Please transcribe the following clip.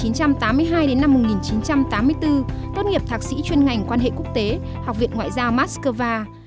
năm một nghìn tám mươi hai đến năm một nghìn chín trăm tám mươi bốn tốt nghiệp thạc sĩ chuyên ngành quan hệ quốc tế học viện ngoại giao moscow